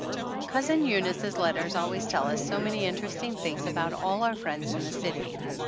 Cousin Eunice's letters always tell us so many interesting things about all our friends in the city.